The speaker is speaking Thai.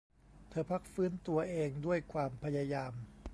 เธอพักฟื้นตัวเองด้วยความพยายาม